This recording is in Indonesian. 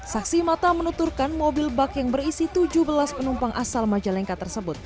saksi mata menuturkan mobil bak yang berisi tujuh belas penumpang asal majalengka tersebut